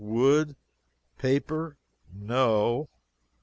wood? paper? No.